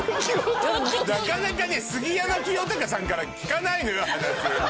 なかなかね杉山清貴さんから聞かないのよ話。